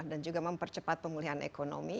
juga mempercepat pemulihan ekonomi